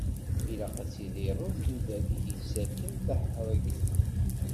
Ilaq ad tidireḍ tudert, i ak-id-yettakken tahregt.